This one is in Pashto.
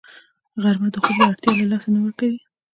غرمه د خوب اړتیا له لاسه نه ورکوي